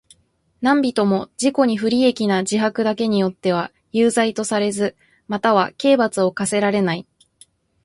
何人（なんびと）も自己に不利益な自白だけによっては有罪とされず、または刑罰を科せられない。